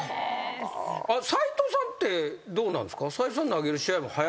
斎藤さんってどうなんですか？